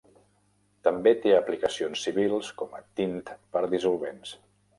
També té aplicacions civils com a tint per dissolvents.